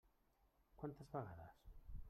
Quantes vegades?